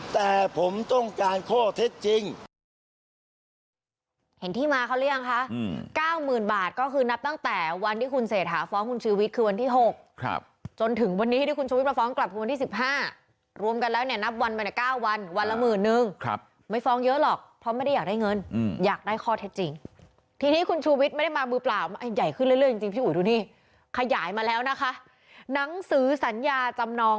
แต่ผมต้องการข้อเท็จจริง